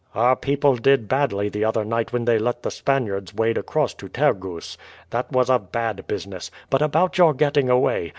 "Our people did badly the other night when they let the Spaniards wade across to Tergoes. That was a bad business. But about your getting away.